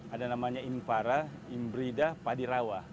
ada namanya impara imbrida padi rawah